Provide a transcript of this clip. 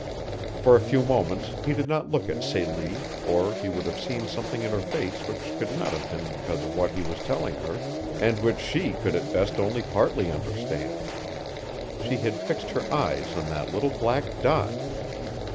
For a few moments he did not look at Celie or he would have seen something in her face which could not have been because of what he was telling her, and which she could at best only partly understand. She had fixed her eyes on the little black dot.